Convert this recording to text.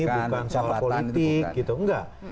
bukan soal politik gitu enggak